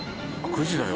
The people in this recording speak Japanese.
９時だよ。